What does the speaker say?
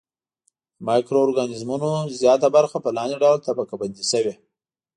د مایکرو ارګانیزمونو زیاته برخه په لاندې ډول طبقه بندي شوې.